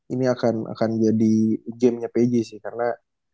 ini akan jadi game nya pj sih karena